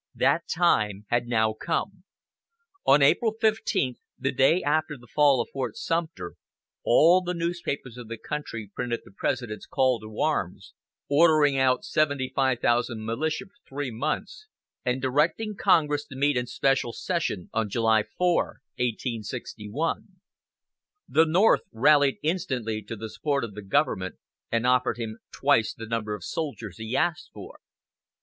That time had now come. On April 15, the day after the fall of Fort Sumter, all the newspapers of the country printed the President's call to arms, ordering out 75,000 militia for three months, and directing Congress to meet in special session on July 4, 1861. The North rallied instantly to the support of the Government, and offered him twice the number of soldiers he asked for.